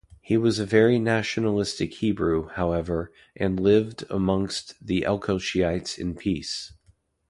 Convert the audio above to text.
He was a very nationalistic Hebrew, however, and lived amongst the Elkoshites in peace.